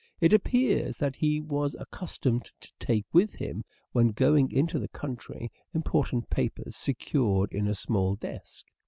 it appears that he was accustomed to take with him, when going into the country, important papers secured in a small desk.